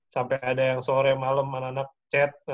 sampai ada yang sore malam anak anak chat